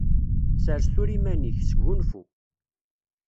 Sers tura iman-ik, sgunfu.